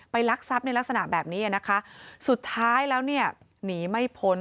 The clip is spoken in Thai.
รักทรัพย์ในลักษณะแบบนี้นะคะสุดท้ายแล้วเนี่ยหนีไม่พ้น